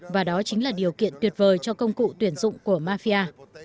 và đó chính là điều kiện tuyệt vời cho công cụ tuyển dụng của mafia